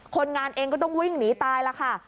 คนงานเองก็ต้องวิ่งหนีตายแล้วค่ะ